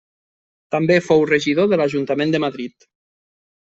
També fou regidor de l'ajuntament de Madrid.